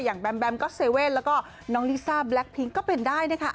แบมแบมก็เซเว่นแล้วก็น้องลิซ่าแล็คพิงก็เป็นได้นะคะ